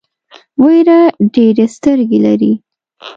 وېره ډېرې سترګې لري.